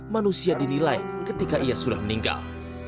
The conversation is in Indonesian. manusia dinilai ketika ia sudah meninggal